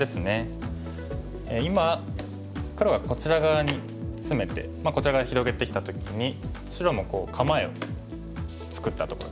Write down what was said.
今黒がこちら側にツメてこちら側に広げてきた時に白も構えを作ったところですね。